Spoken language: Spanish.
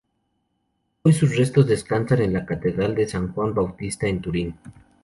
Hoy sus restos descansan en la catedral de San Juan Bautista, en Turín.